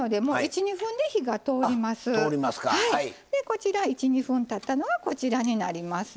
こちら１２分たったのがこちらになります。